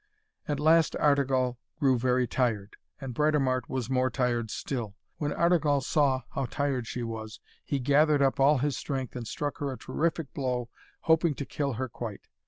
At last Artegall grew very tired, and Britomart was more tired still. When Artegall saw how tired she was, he gathered up all his strength and struck her a terrific blow, hoping to kill her quite.